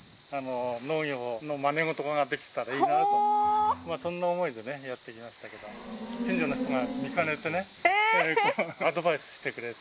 農業のまねごとができたらいいなと、そんな想いでね、やってきましたけど、近所の人が見かねてね、アドバイスしてくれて。